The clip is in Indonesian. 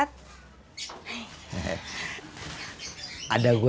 tidak ada yang ngerti